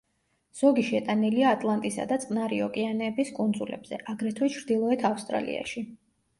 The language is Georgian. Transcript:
ზოგი შეტანილია ატლანტისა და წყნარი ოკეანეების კუნძულებზე, აგრეთვე ჩრდილოეთ ავსტრალიაში.